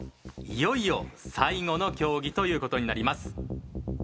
いよいよ最後の競技という事になります。